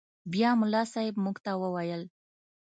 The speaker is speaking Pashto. بيا ملا صاحب موږ ته وويل.